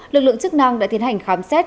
lực lượng chức năng đã tiến hành khám xét